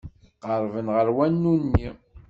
Qerrben ɣer wanu-nni.